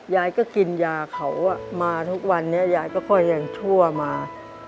ยายก็กินยาเขามาทุกวันนี้ยายก็ค่อยยังชั่วมา